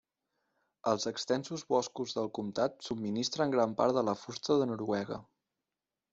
Els extensos boscos del comtat subministren gran part de la fusta de Noruega.